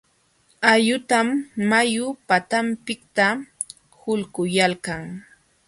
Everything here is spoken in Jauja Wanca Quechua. Ayutam mayu patanpiqta hulquyalkan.